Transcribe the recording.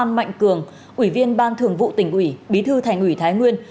mạnh cường ủy viên ban thường vụ tỉnh ủy bí thư thành ủy thái nguyên